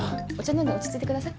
飲んで落ち着いてください。